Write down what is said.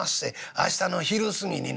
明日の昼過ぎにな」。